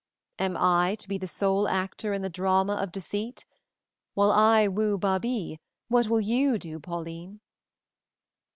"Am I to be the sole actor in the drama of deceit? While I woo Babie, what will you do, Pauline?"